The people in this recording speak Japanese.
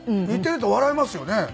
似てると笑いますよね。